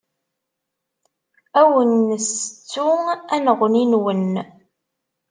Ad awen-nessettu anneɣni-nwen.